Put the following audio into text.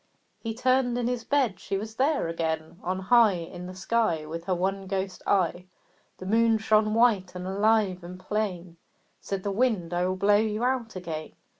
He turned in his bed; she was there again! On high In the sky With her one ghost eye, The Moon shone white and alive and plain. Said the Wind "I will blow you out again."